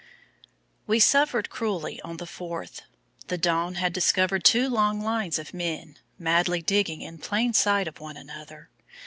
We suffered cruelly on the Fourth. The dawn had discovered two long lines of men, madly digging in plain sight of one another.